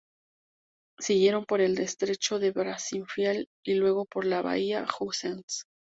Siguieron por el estrecho de Bransfield y luego por la bahía Hughes.